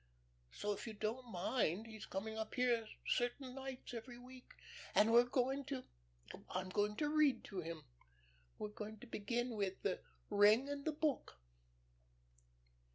So if you don't mind, he's coming up here certain nights every week, and we're going to I'm going to read to him. We're going to begin with the 'Ring and the Book.'"